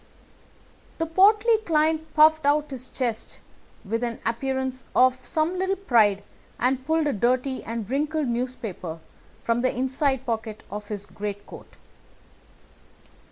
The portly client puffed out his chest with an appearance of some little pride and pulled a dirty and wrinkled newspaper from the inside pocket of his greatcoat.